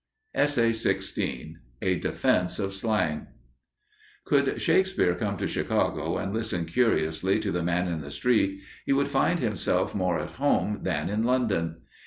*A Defense of Slang* Could Shakespeare come to Chicago and listen curiously to "the man in the street," he would find himself more at home than in London.